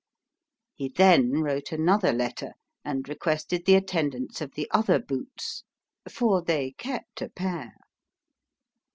He then wrote another letter, and requested the attendance of the other boots for they kept a pair.